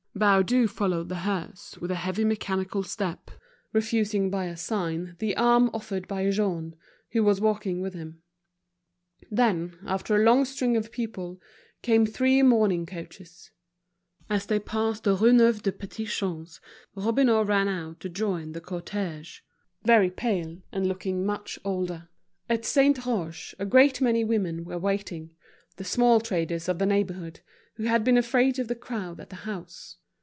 Baudu followed the hearse with a heavy mechanical step, refusing by a sign the arm offered by Jean, who was walking with him. Then, after a long string of people, came three mourning coaches. As they passed the Rue Neuve des Petits Champs, Robineau ran up to join the cortege, very pale, and looking much older. At Saint Roch, a great many women were waiting, the small traders of the neighborhood, who had been afraid of the crowd at the house.